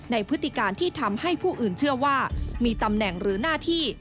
พฤติการที่ทำให้ผู้อื่นเชื่อว่ามีตำแหน่งหรือหน้าที่